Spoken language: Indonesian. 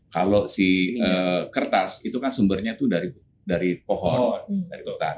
kalau si kertas itu kan sumbernya itu dari pohon dari kota